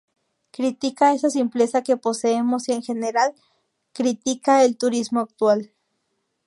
Critica esa simpleza que poseemos y en general, critica el turismo actual.